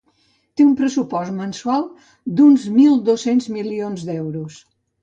Té un pressupost mensual d'uns mil dos-cents milions d'euros.